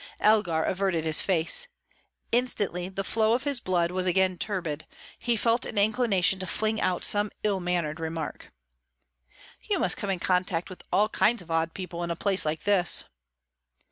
Elgar averted his face. Instantly the flow of his blood was again turbid; he felt an inclination to fling out some ill mannered remark. "You must come in contact with all kinds of odd people in a place like this."